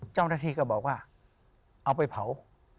เจ้าหน้าที่ก็บอกว่าเอาไปเผา